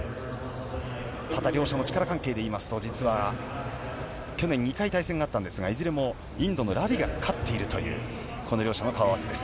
ただ、両者の力関係で言いますと実は、去年２回対戦があったんですが、いずれもインドのラビが勝っているという、この両者の顔合わせです。